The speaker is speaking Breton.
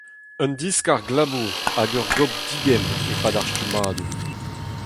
Un diskarg labour hag ur gopr digemm e-pad ar stummadur.